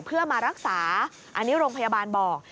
เพื่อมารักษาอันนี้โรงพยาบาลบอก